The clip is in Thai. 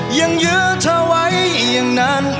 ยังยืดเธอไว้อย่างนั้น